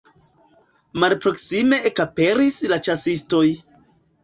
Malproksime ekaperis la ĉasistoj.